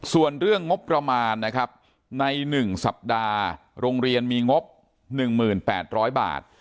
ส่วนเรื่องงบประมาณนะครับใน๑สัปดาห์โรงเรียนมีงบ๑๘๐๐บาท